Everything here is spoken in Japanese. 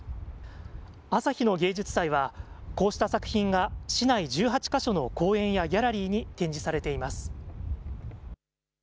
あさひの芸術祭は、こうした作品が市内１８か所の公園やギャラリーに展示されています。